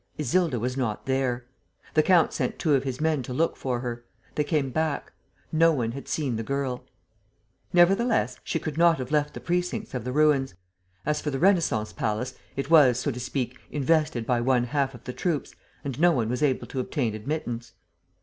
Isilda was not there. The count sent two of his men to look for her. They came back. No one had seen the girl. Nevertheless, she could not have left the precincts of the ruins. As for the Renascence palace, it was, so to speak, invested by one half of the troops; and no one was able to obtain admittance.